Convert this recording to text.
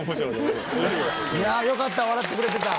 いやあよかった笑ってくれてた。